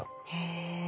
へえ。